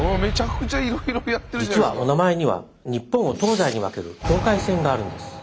実はおなまえには日本を東西に分ける境界線があるんです。